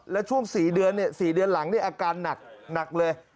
และช่วงสี่เดือนหลังนี่อาการหนักหนักเลย